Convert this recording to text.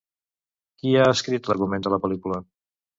Qui ha escrit l'argument de la pel·lícula?